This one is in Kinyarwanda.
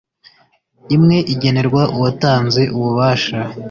imwe igenerwa uwatanze ububasha,